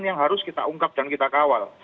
yang harus kita ungkap dan kita kawal